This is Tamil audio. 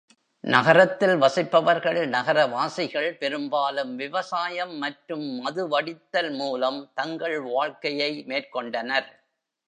நகரத்தில் வசிப்பவர்கள், நகரவாசிகள், பெரும்பாலும் விவசாயம் மற்றும் மது வடித்தல் மூலம் தங்கள் வாழ்க்கையை மேற்கொண்டனர்.